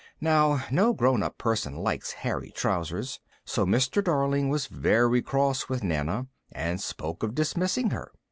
Now no grown up person likes hairy trousers, so Mr. Darling was very cross with Nana, and spoke of dismissing her.